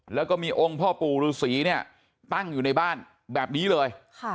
แล้วก็มีองค์พระบูฤษีตั้งอยู่ในบ้านแบบนี้เลย